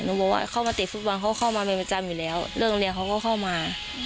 บอกว่าเข้ามาเตะฟุตบอลเขาเข้ามาเป็นประจำอยู่แล้วเรื่องโรงเรียนเขาก็เข้ามา